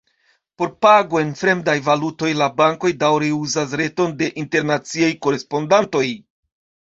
Por pagoj en fremdaj valutoj la bankoj daŭre uzas reton de internaciaj korespondantoj.